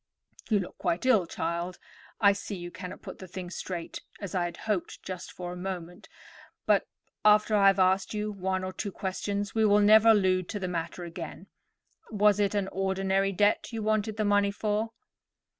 "You look quite ill, child. I see you cannot put the thing straight, as I had hoped just for a moment: but, after I have asked you one or two questions, we will never allude to the matter again. Was it an ordinary debt you wanted the money for?"